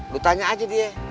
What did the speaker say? lo tanya aja dia